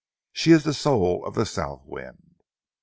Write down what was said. She is the soul of the south wind."